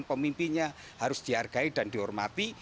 pemimpinnya harus dihargai dan dihormati